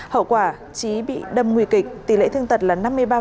hậu quả trí bị đâm nguy kịch tỷ lệ thương tật là năm mươi ba